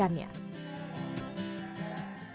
jangan lupa untuk menggunakan kaki yang berbentuk